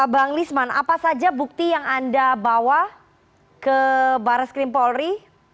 bang lisman apa saja bukti yang anda bawa ke baris krim polri